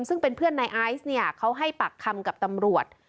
ซึ่งเป็นเพื่อนนายไอซ์เนี่ยเขาให้ปากคำกับตำรวจ